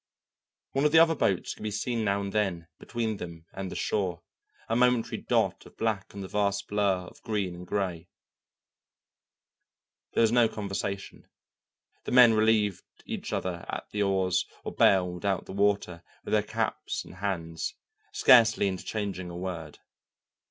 One of the other boats could be seen now and then between them and the shore, a momentary dot of black on the vast blur of green and gray. There was no conversation; the men relieved each other at the oars or bailed out the water with their caps and hands, scarcely interchanging a word.